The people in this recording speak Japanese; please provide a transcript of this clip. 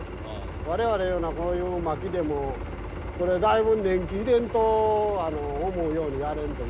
我々のようなこういうまきでもこれだいぶ年季入れんと思うようにやれんという。